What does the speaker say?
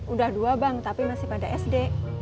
udah dua bang tapi masih pada sd